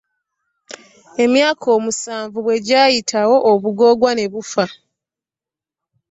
Emyaka omusanvu bwe gyayitawo obugoogwa ne bufa.